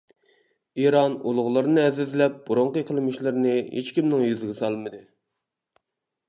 ئىران ئۇلۇغلىرىنى ئەزىزلەپ بۇرۇنقى قىلمىشلىرىنى ھېچكىمنىڭ يۈزىگە سالمىدى.